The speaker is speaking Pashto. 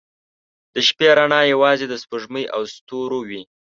• د شپې رڼا یوازې د سپوږمۍ او ستورو وي.